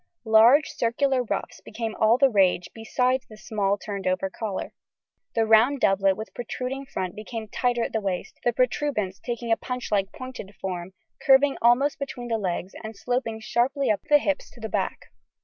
Large circular ruffs became all the rage besides the small turned over collar. The round doublet with protruding front became tighter at the waist, the protuberance taking a punchlike pointed form curving to almost between the legs and sloping sharply up the hips to the back.